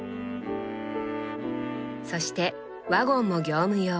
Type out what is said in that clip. そしてワゴンも業務用。